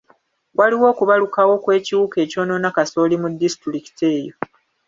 Waliwo okubalukawo kw'ekiwuka ekyonoona kasooli mu disitulikiti eyo.